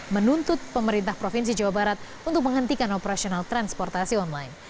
menuntut pemerintah provinsi jawa barat untuk menghentikan operasional transportasi online